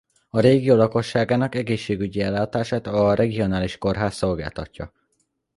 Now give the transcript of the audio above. A régió lakosságának egészségügyi ellátását a regionális kórház szolgáltatja.